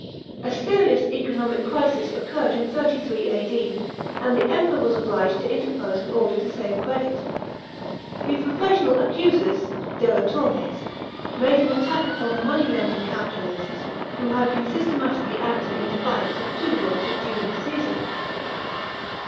A serious economic crisis occurred in 33 A.D., and the Emperor was obliged to interpose in order to save credit. The professional accusers (delatores) made an attack upon the money lending capitalists, who had been systematically acting in defiance of two laws of Julius Caesar.